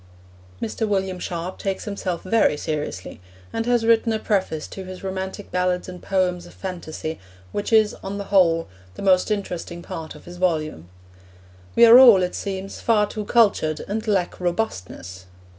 Mr. William Sharp takes himself very seriously and has written a preface to his Romantic Ballads and Poems of Phantasy, which is, on the whole, the most interesting part of his volume. We are all, it seems, far too cultured, and lack robustness.